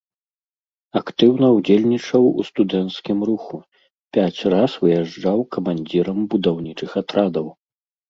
Актыўна ўдзельнічаў у студэнцкім руху, пяць раз выязджаў камандзірам будаўнічых атрадаў.